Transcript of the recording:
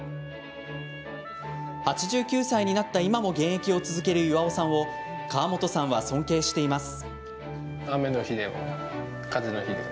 ８９歳になった今も現役を続ける巌さんを川本さんは尊敬しています。